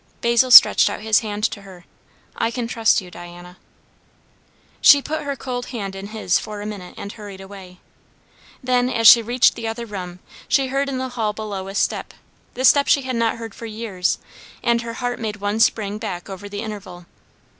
Basil stretched out his hand to her. "I can trust you, Diana." She put her cold hand in his for a minute and hurried away. Then, as she reached the other room, she heard in the hall below a step, the step she had not heard for years; and her heart made one spring back over the interval.